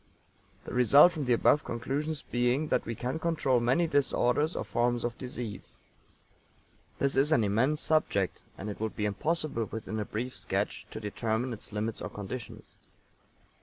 The result from the above conclusions being that we can control many disorders or forms of disease. This is an immense subject, and it would be impossible within a brief sketch to determine its limits or conditions.